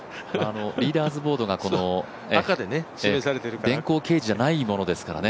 リーダーズボードが電光掲示じゃないものですからね